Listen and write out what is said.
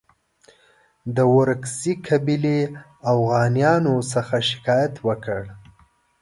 د ورکزي قبیلې اوغانیانو څخه شکایت وکړ.